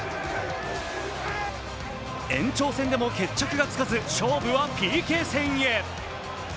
延長戦でも決着がつかず勝負はＰＫ戦へ。